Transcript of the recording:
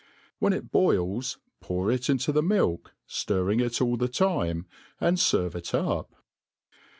When it boils, pour ic into the milk, ftirring it all the time, and ferve it up.